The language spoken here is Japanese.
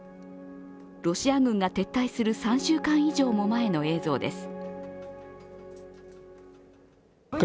ロシア軍が撤退する３週間以上も前の映像です。